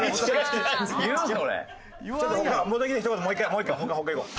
もう一回他いこう。